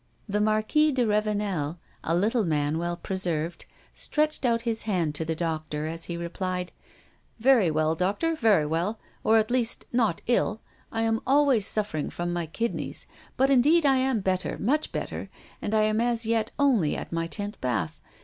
The Marquis de Ravenel, a little man well preserved, stretched out his hand to the doctor, as he replied: "Very well, doctor, very well, or, at least, not ill. I am always suffering from my kidneys; but indeed I am better, much better; and I am as yet only at my tenth bath.